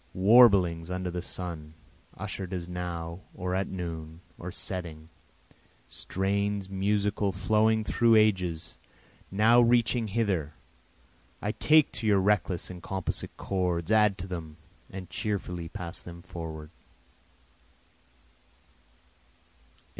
Warblings under the sun, usher'd as now, or at noon, or setting, Strains musical flowing through ages, now reaching hither, I take to your reckless and composite chords, add to them, and cheerfully pass them forward.